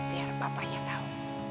biar bapaknya tau